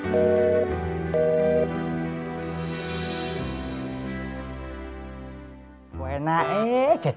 kau mauidade di rumah tadi